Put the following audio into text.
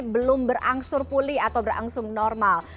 belum berangsur pulih atau berangsur normal